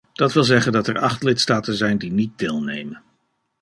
Dat wil zeggen dat er acht lidstaten zijn die niet deelnemen.